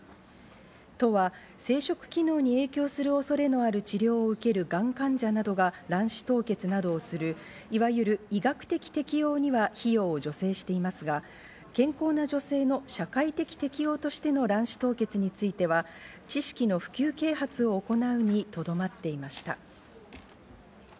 都は生殖機能に影響する恐れのある治療を受けるがん患者などが卵子凍結などをする、いわゆる医学的適応には費用を助成していますが、健康な女性の社会的適応としての卵子凍結については、知識の普及啓発を行うにとどまっていました。